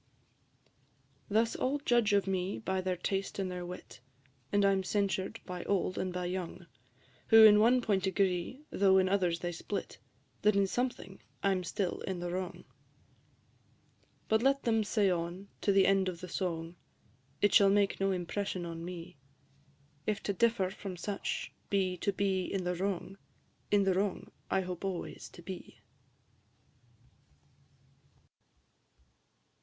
VI. Thus all judge of me by their taste or their wit, And I 'm censured by old and by young, Who in one point agree, though in others they split, That in something I 'm still in the wrong. But let them say on to the end of the song, It shall make no impression on me: If to differ from such be to be in the wrong, In the wrong I hope always to be.